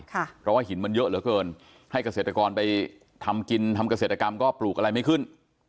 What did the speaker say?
เพราะว่าหินมันเยอะเหลือเกินให้เกษตรกรไปทำกินทำเกษตรกรรมก็ปลูกอะไรไม่ขึ้น